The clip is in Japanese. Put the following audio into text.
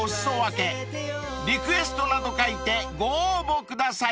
［リクエストなど書いてご応募ください］